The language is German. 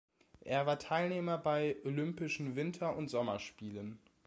Er war Teilnehmer bei Olympischen Winter- und Sommerspielen.